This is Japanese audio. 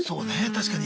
確かに。